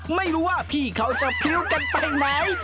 ไม่รู้ว่าพี่เขาจะพริ้วกันไปไหน